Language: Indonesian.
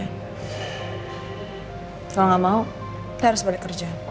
kalau tidak mau saya harus balik kerja